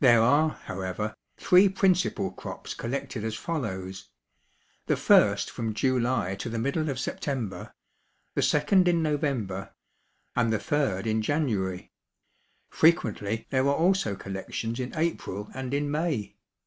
There are, however, three principal crops collected as follows: The first from July to the middle of September; the second in November; and the third in January. Frequently there are also collections in April and in May.